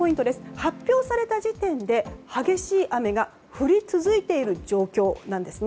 発表された時点で激しい雨が降り続いている状況なんですね。